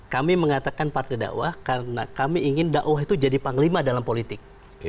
kami mengatakan partai dakwah karena kami ingin dakwah itu jadi panglima dalam politik